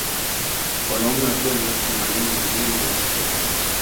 Wanaume wakiwa ni elfu themanini na mbili mia sita na kumi